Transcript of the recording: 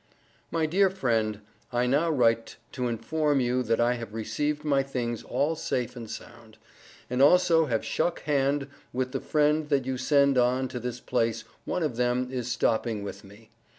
MY DEAR FRIEND: I now write to inform you that I have received my things all safe and sound, and also have shuck hand with the friend that you send on to this place one of them is stopping with me.